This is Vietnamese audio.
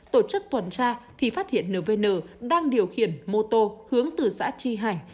tổ chức tuần tra thì phát hiện nvn đang điều khiển mô tô hướng từ xã tri hải